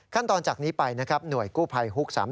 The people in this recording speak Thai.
ขั้นตอนจากนี้ไปหน่วยกู้ไภฮุก๓๑